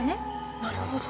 なるほど。